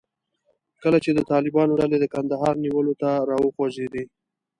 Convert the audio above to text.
کله چې د طالبانو ډلې د کندهار نیولو ته راوخوځېدې.